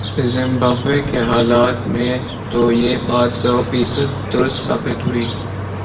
Zimbabwe کے حالات میں تو یہ بات سوفیصد درست ثابت ہوئی۔